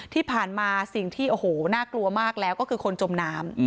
ที่ผ่านมาสิ่งที่โอ้โหน่ากลัวมากแล้วก็คือคนจมน้ำ